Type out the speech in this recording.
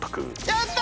やった！